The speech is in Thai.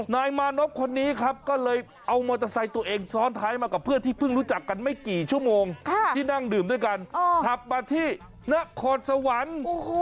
นายมานพคนนี้ครับก็เลยเอามอเตอร์ไซค์ตัวเองซ้อนท้ายมากับเพื่อนที่เพิ่งรู้จักกันไม่กี่ชั่วโมงที่นั่งดื่มด้วยกันขับมาที่นครสวรรค์